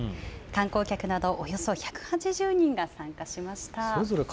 観光客などおよそ１８０人が参加しました。